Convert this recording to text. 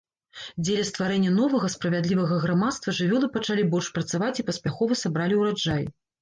Дзеля стварэння новага, справядлівага грамадства жывёлы пачалі больш працаваць і паспяхова сабралі ураджай.